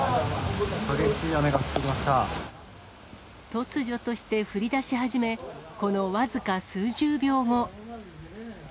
突如として降りだし始め、この僅か数十秒後。